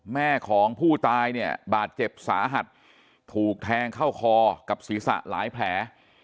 แม่ของผู้ตายเนี่ยบาดเจ็บสาหัสถูกแทงเข้าคอกับศีรษะหลายแผล